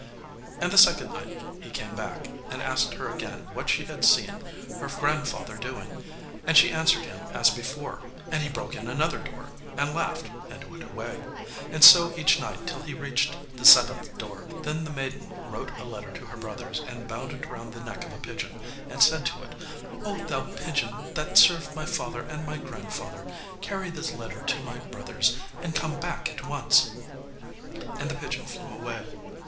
And the second night he came back, and asked her again what she had seen her grandfather doing, and she answered him as before, and he broke in another door, and laughed and went away, and so each night till he reached the seventh door. Then the maiden wrote a letter to her brothers, and bound it round the neck of a pigeon, and said to it, 'Oh, thou pigeon that served my father and my grandfather, carry this letter to my brothers, and come back at once.' And the pigeon flew away.